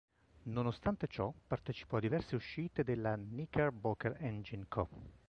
Nonostante ciò partecipò a diverse uscite della "Knickerbocker Engine Co.